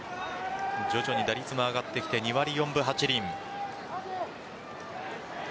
徐々に打率も上がってきて２割４分８厘。